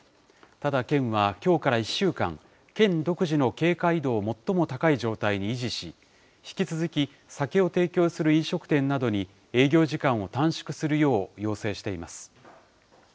ただ、県はきょうから１週間、県独自の警戒度を最も高い状態に維持し、引き続き、酒を提供する飲食店などに、営業時間を短縮するよう要請しています。